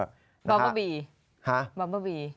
บับเบอร์บีฮะบับเบอร์บี